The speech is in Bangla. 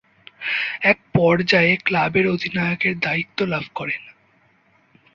এক পর্যায়ে ক্লাবের অধিনায়কের দায়িত্ব লাভ করেন।